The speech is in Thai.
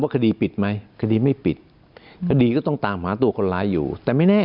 ขดีต้องตามหาตัวคนร้ายอยู่แต่ไม่แน่